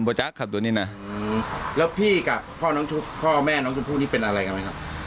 จ๊ะขับตัวนี้นะแล้วพี่กับพ่อน้องชุบพ่อแม่น้องชมพู่นี่เป็นอะไรกันไหมครับ